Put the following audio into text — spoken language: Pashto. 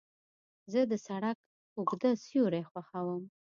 زه د سړک اوږده سیوري خوښوم.